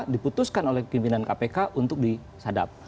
diputuskan oleh pimpinan kpk untuk disadap